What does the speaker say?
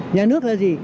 nhà nước là gì